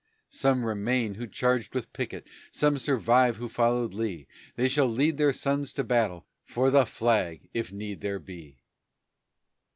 Some remain who charged with Pickett, Some survive who followed Lee; They shall lead their sons to battle For the flag, if need there be."